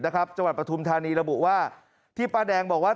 จังหวัดปฐุมธานีระบุว่าที่ป้าแดงบอกว่า